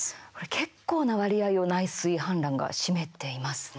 結構な割合を内水氾濫が占めていますね。